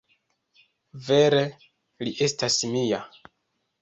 Vere li estas mia.